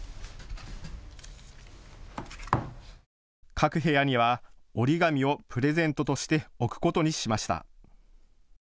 各部屋には折り紙をプレゼントとして置くことにしました。